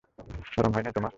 শরম হয় নাই তোমার?